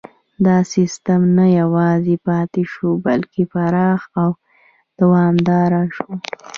دا سیستم نه یوازې پاتې شو بلکې پراخ او دوامداره شو.